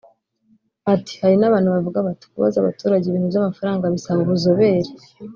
Ati “Hari n’abantu bavuga bati kubaza abaturage ibintu by’amafaranga bisaba ubuzobere